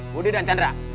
budi dan chandra